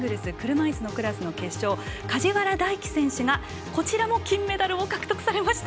車いすのクラスの決勝梶原大暉選手がこちらも金メダルを獲得されました。